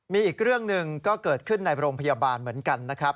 มีอีกเรื่องหนึ่งก็เกิดขึ้นในโรงพยาบาลเหมือนกันนะครับ